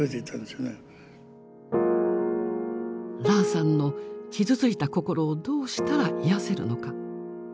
ラーさんの傷ついた心をどうしたら癒やせるのか。